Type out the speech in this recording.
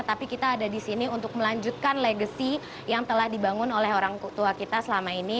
tapi kita ada di sini untuk melanjutkan legacy yang telah dibangun oleh orang tua kita selama ini